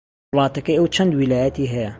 وڵاتەکەی ئەو چەند ویلایەتی هەیە؟